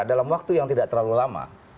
dalam waktu yang tidak terlalu lama